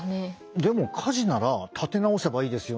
でも火事なら建て直せばいいですよね。